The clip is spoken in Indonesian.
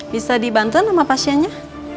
bisa dibantu nama pasiennya